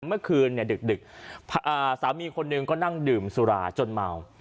เมื่อคืนสามีคนก็นั่งดื่มสุราจนเย็น